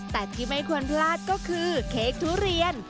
แต่ที่ไม่ควรพลาดก็คือเค้กทุเรียน